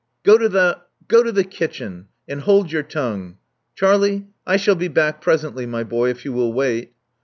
Go to the — go to the kitchen; and hold your tongue. Charlie: I shall be back presently, my boy, if you will wait.